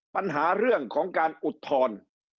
ปัญหาเรื่องของการอุดทน